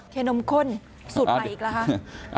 เคนมข้นสูตรไหนอีกละฮะ